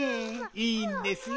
いいんですよ。